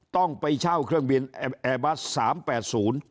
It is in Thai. ต้องไปเช่าเครื่องบินแอร์บัส๓๘๐